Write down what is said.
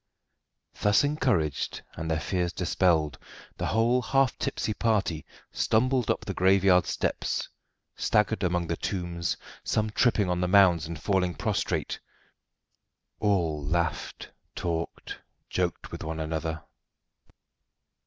Thus encouraged, and their fears dispelled, the whole half tipsy party stumbled up the graveyard steps, staggered among the tombs, some tripping on the mounds and falling prostrate. All laughed, talked, joked with one another.